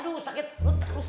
aduh sakit lu terus